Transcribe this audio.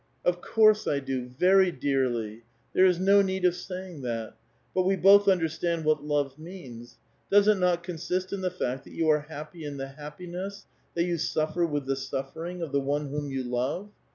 " "Of course I do, verj* dearly : there is no need of saying that ; but we both understand what love means : docs it not consist in the fact that you are happy in the happiness, that you suffer with the suffering, of the one whom you love.